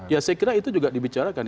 ya saya kira itu juga dibicarakan